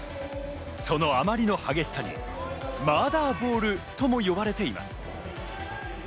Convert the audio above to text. そのあまりの激しさにマーダーボールとも呼ばれています。